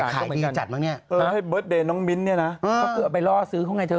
เขาก็เกลียดไปล่อซื้อเค้าไงเธอ